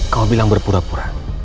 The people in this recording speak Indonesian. kamu bilang berpura pura